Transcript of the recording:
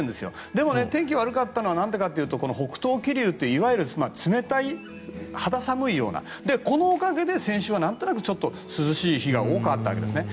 でも天気が悪かったのは何でかというと北東気流という冷たい肌寒いようなこのおかげで先週は何となくちょっと涼しい日が多かったわけですね。